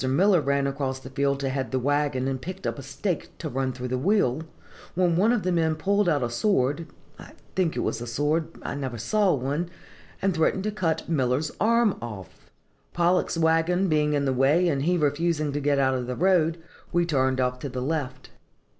Miller ran across the field to head the wagon, and picked up a stake to run through the wheel, when one of the men pulled out a sword (I think it was a sword, I never saw one), and threatened to cut Miller's arm off. Pollock's wagon being in the way, and he refusing to get out of the road, we turned off to the left.